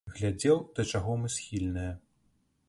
Глядзеў, да чаго мы схільныя.